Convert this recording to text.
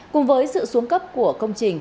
cùng với sự xuống cấp của công trình